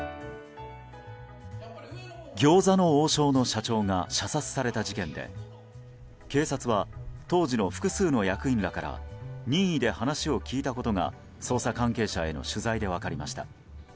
餃子の王将の社長が射殺された事件で警察は、当時の複数の役員らから任意で話を聞いたことが捜査関係者への取材で分かりました。